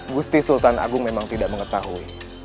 gusti sultan agung memang tidak mengetahui